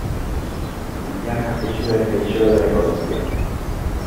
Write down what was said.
Y Clara es una defensora de la ecología.